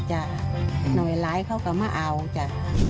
หน่วยลายเขาก็มาเอา